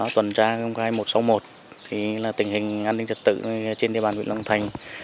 tuần tra công khai một trăm sáu mươi một tình hình an ninh trật tự trên địa bàn huyện long thành